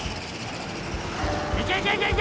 ・いけいけいけいけ！